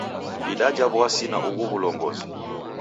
Didaja w'uasi na ughu w'ulongozi.